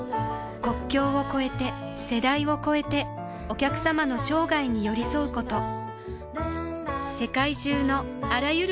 国境を超えて世代を超えてお客様の生涯に寄り添うこと